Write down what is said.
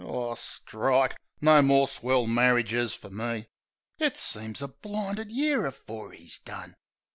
Ar, strike! No more swell marridges fer me! It seems a blinded year afore 'e's done.